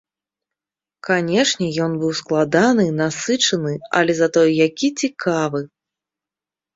Канешне, ён быў складаны, насычаны, але затое які цікавы!